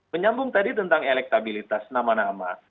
menyambung tadi tentang elektabilitas nama nama